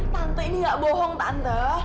tante ini gak bohong tante